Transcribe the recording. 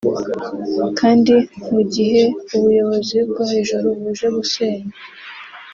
kandi mu gihe ubuyobozi bwo hejuru buje gusenya